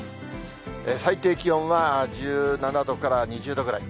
最低気温は１７度から２０度ぐらい。